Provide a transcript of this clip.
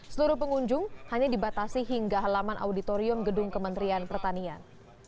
seluruh pengunjung hanya dibatasi hingga halaman auditorium gedung kementerian pertanian